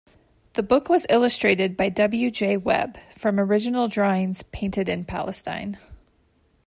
The book was illustrated by W. J. Webb, from original drawings painted in Palestine.